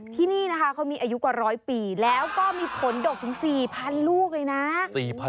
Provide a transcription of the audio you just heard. ที่นี่นะคะเขามีอายุกว่า๑๐๐ปีแล้วก็มีผลดกถึง๔๐๐ลูกเลยนะ